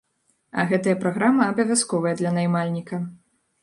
А гэтая праграма абавязковая для наймальніка.